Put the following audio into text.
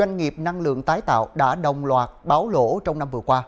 doanh nghiệp năng lượng tái tạo đã đồng loạt báo lỗ trong năm vừa qua